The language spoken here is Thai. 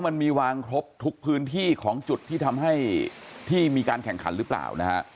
มันมีวางครบทุกพื้นที่ของจุดที่ทำให้ที่มีการแข่งขันหรือเปล่านะฮะ